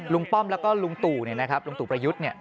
ป้อมแล้วก็ลุงตู่ลุงตู่ประยุทธ์